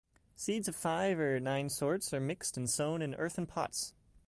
Seeds of five or nine sorts are mixed and sown in earthen pots.